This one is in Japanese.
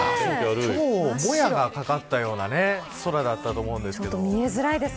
今日、もやがかかったような空だったと思うんですけど。